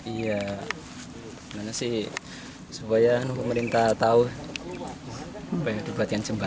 iya mana sih supaya pemerintah tahu banyak dibuatkan jembatan